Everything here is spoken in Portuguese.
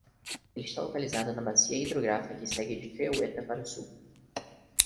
Ele está localizado na bacia hidrográfica que segue de Creueta para o sul.